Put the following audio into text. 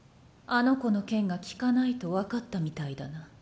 あの子の剣が効かないと分かったみたいだな。